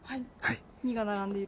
２が並んでる。